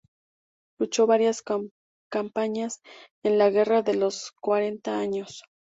Luchó varias campañas en la Guerra de los Cuarenta Años.